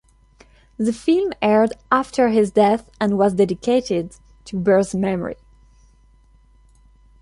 The film aired after his death, and was dedicated to Burr's memory.